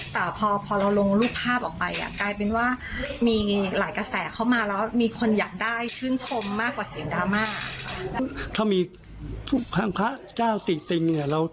แต่พอพอเราลงรูปภาพออกไปอ่ะกลายเป็นว่ามีหลายกระแสเข้ามาแล้วมีคนอยากได้ชื่นชมมากกว่าเสียงดราม่า